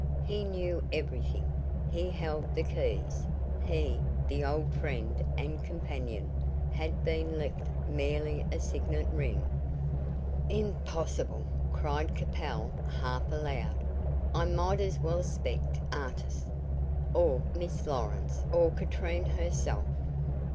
He knew everything; he held the keys he, the old friend and companion, had been left merely a signet ring. "Impossible!" cried Capel, half aloud; "I might as well suspect Artis, or Miss Lawrence, or Katrine herself."